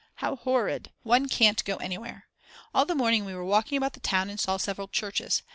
How horrid. One can't go anywhere. All the morning we were walking about the town and saw several churches.